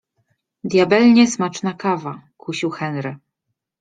- Diabelnie smaczna kawa - kusił Henry.